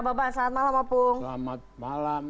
babang selamat malam opung selamat malam